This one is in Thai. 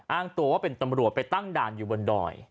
อ้างตัวว่าเป็นตำรวจไปตั้งด่านอยู่บนดอย